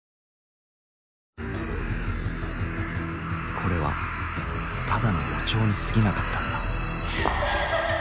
これはただの予兆にすぎなかったんだ。